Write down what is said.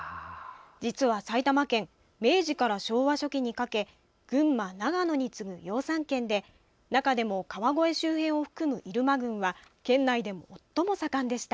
実は埼玉県明治から昭和初期にかけ群馬、長野に次ぐ養蚕県で中でも川越周辺を含む入間郡は県内で最も盛んでした。